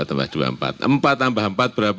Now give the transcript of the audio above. empat tambah empat berapa